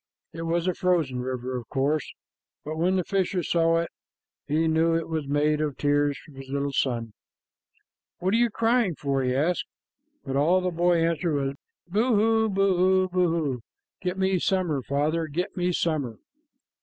It was a frozen river, of course, but when the fisher saw it, he knew it was made of the tears of his little son. "What are you crying for?" he asked, but all the boy answered was "Boo hoo, boo hoo! Get me summer, father, get me summer!"